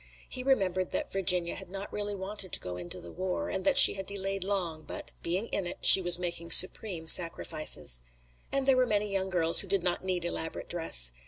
He remembered that Virginia had not really wanted to go into the war, and that she had delayed long, but, being in it, she was making supreme sacrifices. And there were many young girls who did not need elaborate dress.